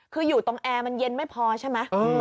คืออยู่ตรงแอร์มันเย็นไม่พอใช่ไหม